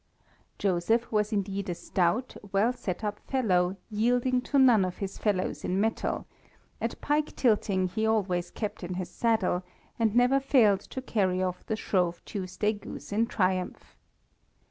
Joseph was indeed a stout, well set up fellow, yielding to none of his fellows in mettle; at pike tilting he always kept in his saddle, and never failed to carry off the Shrove Tuesday goose in triumph.